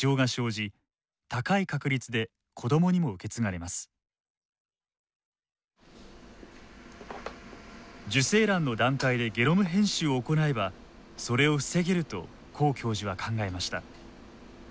受精卵の段階でゲノム編集を行えばそれを防げると黄教授は考えました。